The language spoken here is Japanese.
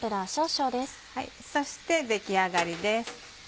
そして出来上がりです。